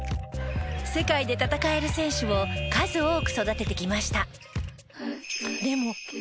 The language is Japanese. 世界で戦える選手を数多く育ててきました。